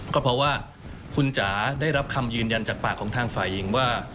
ก็เพราะว่าคุณจ๋าได้รับคำยืนยันจากปากของทางฝ่ายหญิงว่า